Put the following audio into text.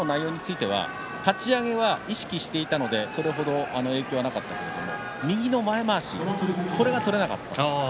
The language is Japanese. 今日の内容についてはかち上げは意識していたのでそれ程影響はなかったけれど右の前まわしこれが取れなかった。